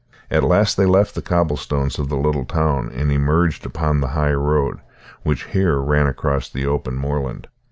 At last they left the cobble stones of the little town and emerged upon the high road, which here ran across the open moorland.